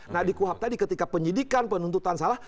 nah di kuhap tadi ketika penyidikan penuntutan salah